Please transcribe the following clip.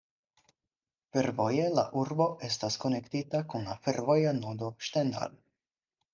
Fervoje la urbo estas konektita kun la fervoja nodo Stendal.